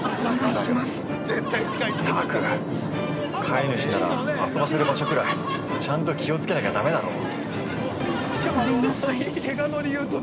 ったく、飼い主なら、遊ばせる場所ぐらいちゃんと気をつけないとだめだろう。